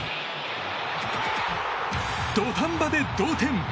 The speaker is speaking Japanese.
土壇場で同点！